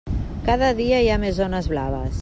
Cada dia hi ha més zones blaves.